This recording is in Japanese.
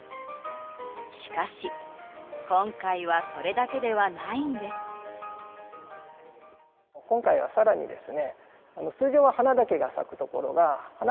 しかし、今回はそれだけではないんです。